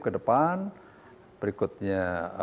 ke depan berikutnya